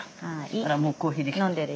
あらもうコーヒーきてる。